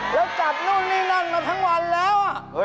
แล้วจับนู่นนี่นั่นมาทั้งวันแล้ว